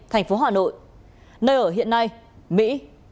thành phố hà nội nơi ở hiện nay mỹ